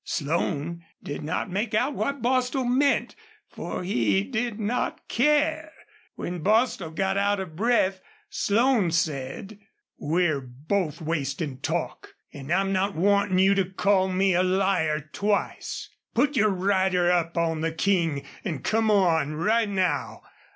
Slone did not make out what Bostil meant and he did not care. When Bostil got out of breath Slone said: "We're both wastin' talk. An' I'm not wantin' you to call me a liar twice. ... Put your rider up on the King an' come on, right now.